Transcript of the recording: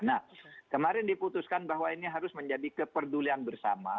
nah kemarin diputuskan bahwa ini harus menjadi keperdulian bersama